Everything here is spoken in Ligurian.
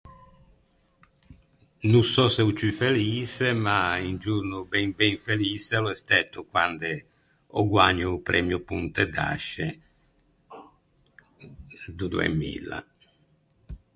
No sò se o ciù feliçe, ma un giorno ben ben feliçe o l’é stæto quande ò guägno o premio Pontedasce, do doemilla.